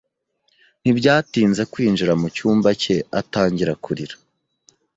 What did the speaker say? Ntibyatinze kwinjira mucyumba cye atangira kurira.